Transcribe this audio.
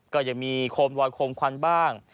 ก็ยังมีโคมลอยโคมควันบ้าง